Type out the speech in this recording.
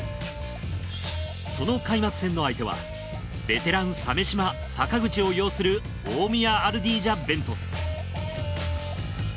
その開幕戦の相手はベテラン鮫島阪口を擁する大宮アルディージャＶＥＮＴＵＳ